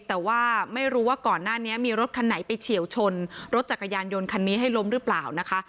แต่ว่าไม่รู้ว่าก่อนหน้านี้มีรถคันไหนไปเฉียวชนรถจักรยานยนต์คันนี้ให้ล้มหรือเปล่านะคะ